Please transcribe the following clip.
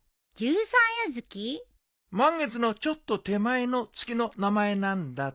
満月のちょっと手前の月の名前なんだと。